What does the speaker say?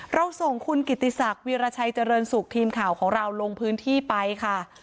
เราส่งคุณกิติศักดิราชัยเจริญสุขทีมข่าวของเราลงพื้นที่ไปค่ะ